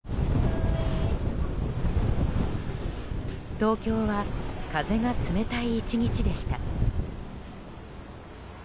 東京は風が冷たい１日でした。